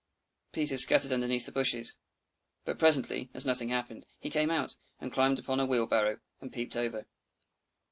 Peter scuttered underneath the bushes. But presently, as nothing happened, he came out, and climbed upon a wheelbarrow, and peeped over.